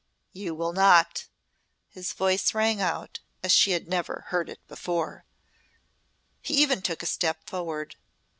"You will not!" his voice rang out as she had never heard it before. He even took a step forward.